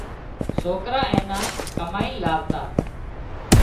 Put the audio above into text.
سوڪرا اين نا ڪمائينَ لاوتا